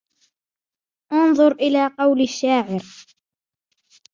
اُنْظُرْ إلَى قَوْلِ الشَّاعِر